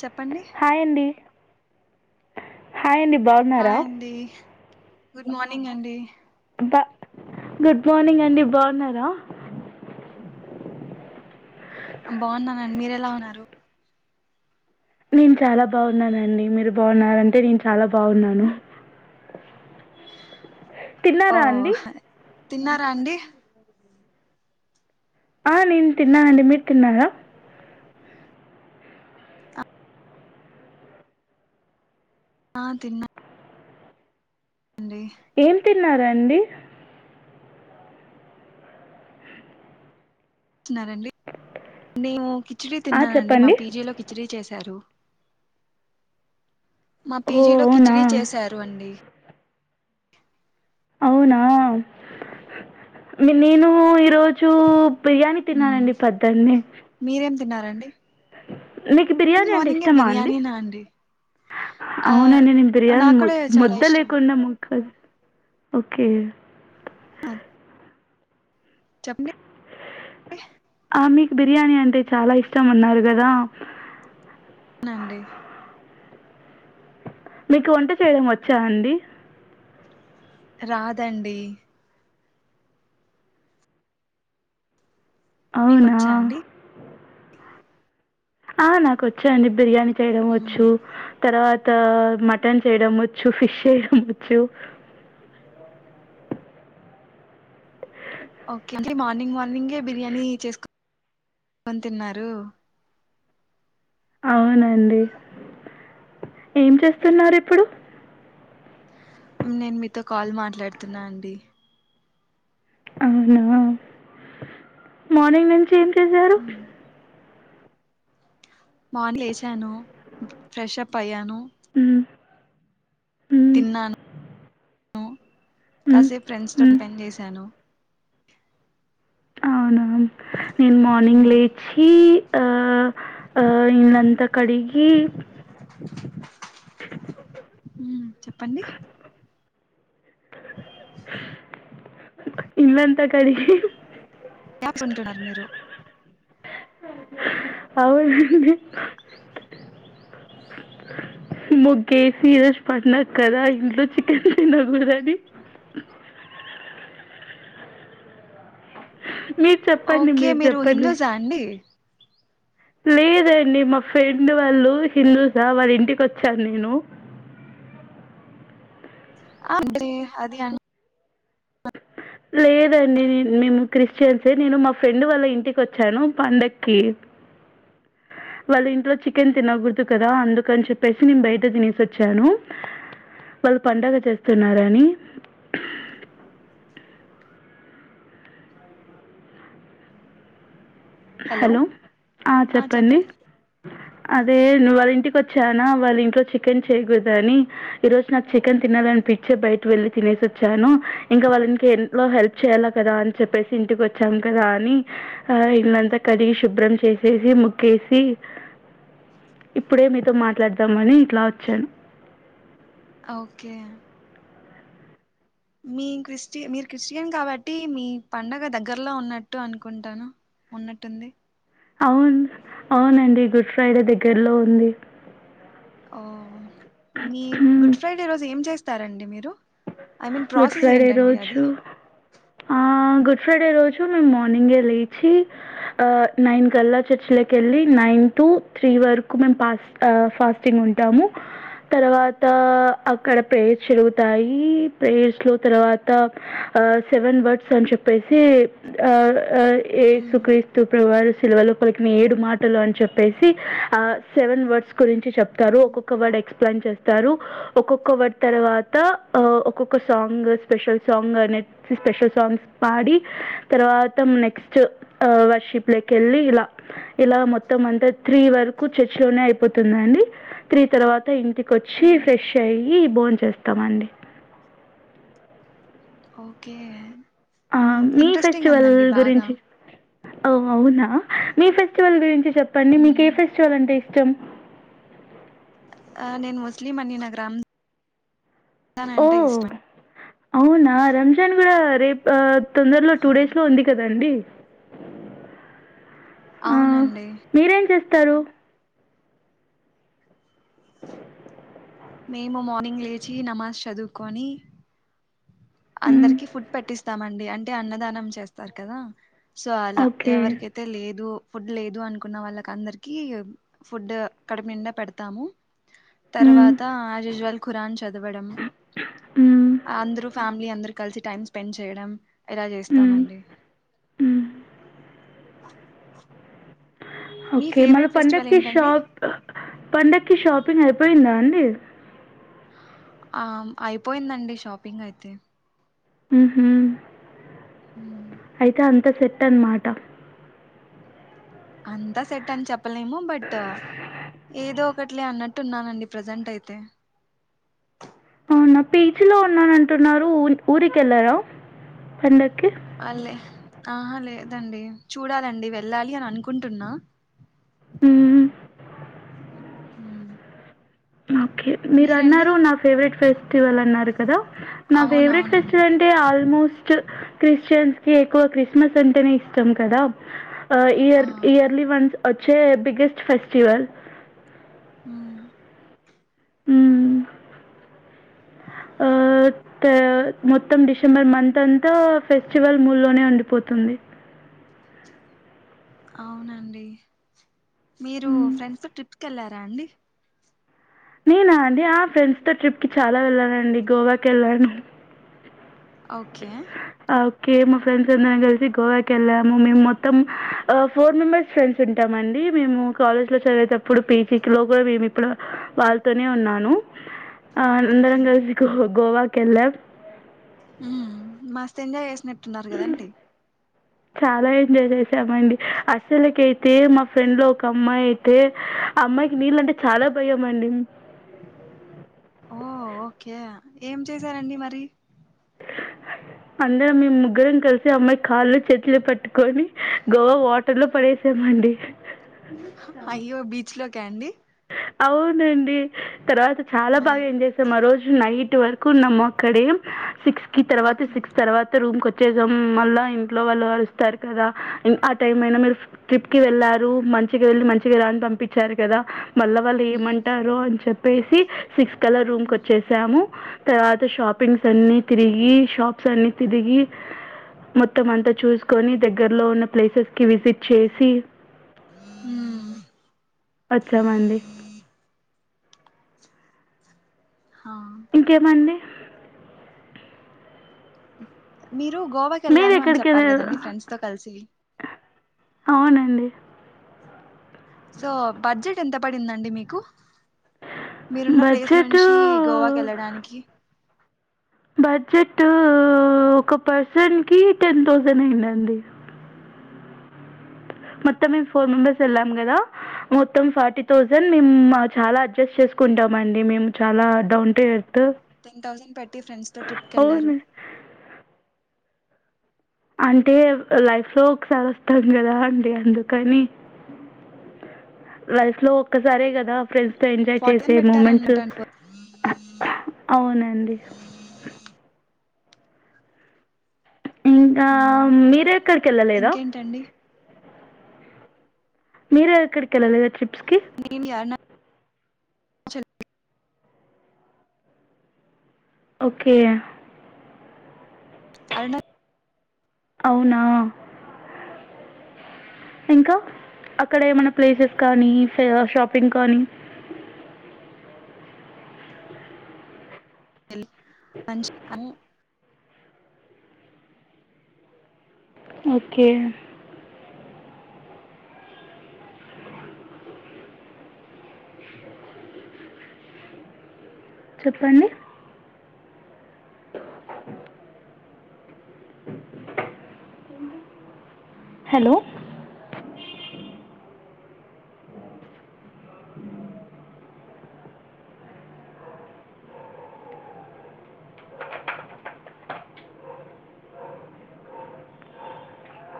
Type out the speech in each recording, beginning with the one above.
చెప్పండి హాయ్ అండి హాయ్ అండి బాగున్నారా? హాయ్ అండి గుడ్ మార్నింగ్ అండి బా గుడ్ మార్నింగ్ అండి, బాగున్నారా? ఆ బాన్నానండి. మీరెలా ఉన్నారు? నేన్ చాలా బాగున్నానండి మీరు బాగున్నారంటే నేన్ చాలా బాగున్నాను. ఓ తిన్నారా అండి. తిన్నారా అండి ఆ నేను తిన్నానండి మీరు తిన్నారా ఆ తిన్న ఏం తిన్నారండి తిన్నారండి నేము కిచిడి ఆ, తిన్నానండి మా చెప్పండి పీజీలో కిచిడి చేసారు. మా ఓ పీజీలో అవునా కిచిడి చేసారు అండి. అవునా నేను ఈరోజు. బిర్యానీ మ్మ్ తిన్నానండి పొద్దున్నే. మీరేం తిన్నారండి. మిక్ బిర్యానీ మార్నింగ్ అంటే మార్నింగే ఇష్టమా అండి. బిర్యానీనా ఆ అవుననీ నేన్ బిర్యాని నాకు కూడా ముద్ చాలా ముద్ద ఇష్టం లేకునా ము. ఓకే. అ చెప్పండి. ఆ మీక్ బిర్యానీ అంటే చాలా ఇష్టం అన్నారు గదా. నండి. మీకు వంట చేయడం వచ్చా అండి. రాదండి. అవునా? మీకొచ్చా అండి. ఆ నాకోచ్చాండి బిర్యానీ చేయడం మ్మ్. వచ్చు. తర్వాత మటన్ చేయడం వచ్చు ఫిష్ చేయడం వచ్చు. ఓకే మార్నింగ్ మార్నింగే బిర్యానీ చేస్కో తిన్నారు. అవునండి ఏం చేస్తున్నారు ఇప్పుడు. నేన్ మీతో కాల్ మాట్లాడుతున్నా అండి. అవునా మార్నింగ్ నుంచి ఏం చేశారు. మార్న్ లేచాను ఫ్రెష్ అప్ అయ్యాను. ఉమ్. తిన్నాను. హ్మ్. కాసేప్ ఫ్రెండ్స్ తో హ్మ్. స్పెండ్ చేశాను. అవునా. నేన్ మార్నింగ్ మ్మ్ లేచి ఆ ఆ ఇళ్ళంతా కడిగి. ఉమ్ చెప్పండి. హ ఇల్లంతా కడిగి. [unintelligible] నారు మీరు అవునండి. అ ముగ్గేసి ఈరోజు పండగ్ గాదా ఇంట్లో చికెన్ తినగూడదని. మీర్ చెప్పండి ఓకే మీర్ మీరు చెప్పండి. హిందూసా అండి లేదండి మా ఫ్రెండ్ వాళ్ళు హిందూసా వాళ్ళింటికోచాను నేను. అ [inaudible] ఆ [unintelligible] అది అను స లేదండి నేన్ మేము క్రిస్టియన్సే నేను మా ఫ్రెండ్ వాళ్ల ఇంటికి వచ్చాను పండక్కి. [inaudible] వాళ్ళ ఇంట్లో చికెన్ తినగూడదు కదా అందుకని చెప్పేసి నేన్ బయట తినేసి వచ్చాను. వాళ్ళు పండగ చేస్తున్నారని [inaudible] హలో హ చెప్పండి అదే ను వాళ్ళ ఇంటికి వచ్చానా వాళ్ళ ఇంట్లో చికెన్ చేయకూడదని ఈ రోజు నాకు చికెన్ తినాలని పిచ్చే బయట వెళ్ళి తినేసి వచ్చాను ఇంకా వాళ్ళకి ఎంట్లో హెల్ప్ చేయాలా కదా అని చెప్పేసి ఇంటికి వచ్చా కదా అని ఆ ఇల్లంతా కలిగి శుభ్రం చేసేసి ముగ్గేసి ఇప్పుడే మీతో మాట్లాడదామని ఇట్లా వచ్చాను. ఓకే మీ క్రిస్టి మీరు క్రిస్టియన్ కాబట్టి మీ పండగ దగ్గరలో ఉన్నట్టు అనుకుంటాను. ఉన్నట్టుంది అవును అవునండి గుడ్ ఫ్రైడే దగ్గరలో ఉంది. ఓ మీ గుడ్ ఫ్రైడే రోజు ఏం చేస్తారండి మీరు. I mean good process Friday ఏంటండి రోజు అది హ గుడ్ ఫ్రైడే రోజు మేము మార్నింగే లేచి నైన్ కల్లా చర్చ్ లో కెళ్ళి నైన్ టు త్రీ వరకు మేము పాస్ ఫాస్టింగ్ ఉంటాము తర్వాత అక్కడ పేర్ జరుగుతాయి ఈ ప్రేయర్స్ లో తర్వాత సెవెన్ వర్డ్స్ అని చెప్పేసి ఆ ఏసు మ్మ్ క్రీస్తు ప్రభువారు శిల్వలోపలికిన ఏడు మాటలు అని చెప్పేసి ఆ సెవెన్ వర్డ్స్ గురించి చెప్తారు ఒక్కొక్క వర్డ్ ఎక్స్ప్లెయిన్ చేస్తారు ఒక్కొక్క వర్డ్ తర్వాత ఒక్కొక్క సాంగ్ స్పెషల్ సాంగ్ అనే స్పెషల్ సాంగ్స్ పాడి తర్వాత నెక్స్ట్ వర్షిప్ లకెళ్ళి ఇలా ఇలా మొత్తం అంత త్రీ వరకు చర్చి లో అయిపోతుందండి త్రీ తర్వాత ఇంటికి వచ్చి మ్మ్ ఫ్రెష్ అయ్యి బోన్ చేస్తామండి. ఓకే ఆ మ్మ్ మీ ఇంట్రెస్టింగ్ ఫెస్టివల్ ఉందండి బాగా గురించి ఓ అవునా మీ ఫెస్టివల్ గురించి చెప్పండి మీకే మ్మ్ ఫెస్టివల్ అంటే ఇష్ ష్టం ఆ నేను ముస్లిం అండి నాకు రంజాన్ న్ అంటే ఓహ్! ఇష్టం అవునా రంజాన్ కూడా రేపు తొందరలో టూ ఆ, డేస్ లో ఉంది కదండి. అవునండి తరు మేము మార్నింగ్ లేచి నమాజ్ చదువుకొని హ్మ్. అందరికి ఫుడ్ పెట్టిస్తామండి అంటే అన్నదానం చేస్తారు కదా సో అలా ఓకే. ఎవరికైతే లేదు ఫుడ్ లేదు అనుకున్న వాళ్ళకి అందరికీ ఫుడ్ కడుపు నిండా పెడతాము. హ్మ్. తర్వాత ఆజిజ్వల్ ఖురాన్ చదవడం హ్మ్. అందరూ అందర్ కలిసి టైం స్పెండ్ చేయడం. ఇలా హ్మ్. చేస్తామండి. హ్మ్. మీ ఓకే మళ ఫేవరెట్ ఫెస్టివల్ పంండగకి ఏంటండి షాప్ పండగకి షాపింగ్ అయిపోయిందాండి. హ్మ్ అయిపోయిందండి షాపింగ్ అయితే. హ్మ్ హూ మ్మ్. అయితే అంత సెట్ అన్నమాట అంతా సెట్ అని చెప్పలేము బట్ ఏదో ఒకట్లే అన్నట్టున్నానండి ప్రజెంట్ అయితే. అవునా పీచ్ లో ఉన్నాన అంటున్నారు ఉ ఊరికెళ్ళరాా పండ అలే ఆహ లేదండి చూడాలండి వెళ్ళాలి అని అనుకుంటున్నా. హ్మ్ ఓకే మీరు అన్నారు నా ఫేవరెట్ ఫెస్టివల్ అన్నారు కదా నా ఫేవరెట్ అవునవునండి ఫెస్టివ ంట ఆల్మోస్ట్ క్రిస్టియన్స్ న్సీ ఎక్కువ క్రిస్మస్ అంటేనే ఇష్టం కదా ఆ ఇయర్ ఇయర్లీ వన్స్ అచ్చే బిగెస్ట్ ఫెస్టివల్ ఆ ఆ మొత్తం డిసెంబర్ మంత్ అంతా ఫెస్టివల్ మూ లోనే ఉండిపోతుంది అవునండి మీరు ఫ్రెండ్స్తో ట్రిప్కి వెళ్ళారా అండి నేనా అండి ఆ ఫ్రెండ్స్ తో ట్రిప్కి చాలా వెళ్ళానండి గోవాకి వెళ్ళాను ఓకే ఆ! ఓకే మా ఫ్రెండ్స్ అందరం కలిసి గోవాకి వెళ్ళాము మేము మొత్తం ఫోర్ మెంబెర్స్ ఫ్రెండ్స్ ఉంటాం అండి మేము కాలేజ్ లో చదివేటప్పుడు పీజీ లో కూడా మేము ఇప్పుడు వాళ్ళతోనే ఉన్నాను ఆ అందరం ఓకే కలిసి గోవాకి వెళ్ళాం మస్త ఎంజాయ్ చేసినట్టున్నారు కదండి చాలా ఎంజాయ్ చేసామండి అసలకే అయితే మా ఫ్రెండ్ లో ఒక అమ్మాయి అయితే ఆ అమ్మాయికి నీళ్ళ అంటే చాలా భయం అండి ఓ ఓకే ఏం చేశారండి మరి అందరం మ ముగ్గురం కలిసి అమ్మాయి కాళ్ళు చెట్లు పెట్టుకొని గవా వాటర్ లో పడేసా అండి అయ్యో బీచ్ లోకా అండి అవునండి తర్వాత చాలా బాగా అయ్యో ఏం చేసాం ఆ రోజు నైట్ టు వరకు ఉన్నాము అక్కడే సిక్స్ కి తర్వాత ఓకే సిక్స్ తర్వాత రూమ్ మళ్ళ ఇంట్లో వాళ్ళు కస్తారు కదా ఆ టైమ్ అయినా మీరు ట్రిప్ కి వెళ్ళారు మంచిగా వెళ్ళి మంచిగా రాని పంపించారు కదా మళ్ళా వాళ్ళు ఏమంటారో అని చెప్పేసి సిక్స్ కళ్ళ రూమ్కి వచ్చేసాము తర్వాత షాపింగ్స్ అన్ని తిరిగి షాప్స్ అన్ని తిరిగి మొత్తం అంతా చూసుకొని దగ్గరలో ఉన్న ప్లేసెస్ కి విజిట్ చేసి మ్మ్ వచ్చాం అండి హా ఇంకేమండి మీరు గోవాకి వెళ్ళాను అని చెప్పారు కద అండి మీరెక్కడికైనా ఫ్రెండ్స్ తో కలిసి అవునండి సో బడ్జెట్ ఎంత పడిందండి మీకు మీరున్న ప్లేస్ బడ్జెటూ, నుంచి గోవాకి వెళ్ళడానికి బడ్జెట్ ఒక పర్సన్ కి టెన్ థౌసండ్ అయిందండి మొత్తం మేము ఫోర్ మెంబెర్స్ వెళ్ళాం కదా మొత్తం ఫార్టీ థౌసండ్ మేము చాలా అడ్జస్ట్ చే తీకుంటామ అండి మేము చాలా down to earth ten thousand పెట్టి ఫ్రెండ్స్ తో ట్రిప్కి వెళ్ళారు అవును. అంటే లైఫ్ లో ఒకసారి వస్తాం కదా అండి అందుకని వైసులో ఒక్కసరే కదా ఫ్రెండ్స్ తో ఎంజాయ్ ఫార్టీ చేసే థౌసండ్ మూమెంట్స్ పెట్టారనమాట అవునండి ఇంకా హ్మ్. మీరే ఎక్కడికి వెళ్ళలేదా ఇంకేంటండి మీరు ఎక్కడికి వెళ్ళలేదా ట్రిప్ నేను యారున్నా ఓకే అరూనా అవునా ఇంకా అక్కడ ఏమనా ప్లేసెస్ కానీ షాపింగ్ కానీ అ [inaudible] [unintelligible] ఓకే చెప్పండి [inaudible] అ [inaudible] హలో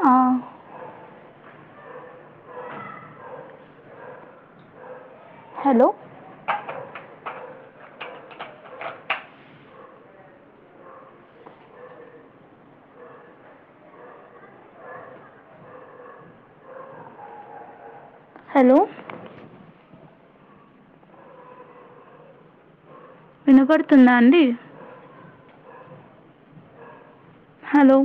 ఆ హలో హలో వినబడుతుందా అండి హలో